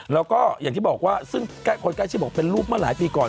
แล้วก็อย่างที่บอกว่าซึ่งคนใกล้ชิดบอกเป็นรูปเมื่อหลายปีก่อน